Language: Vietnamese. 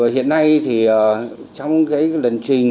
hiện nay thì trong cái lần trình